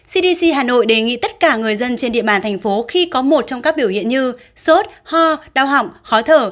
cdc hà nội đề nghị tất cả người dân trên địa bàn thành phố khi có một trong các biểu hiện như sốt ho đau họng khó thở